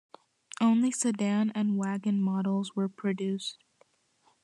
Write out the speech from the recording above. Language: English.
Only sedan and wagon models were produced.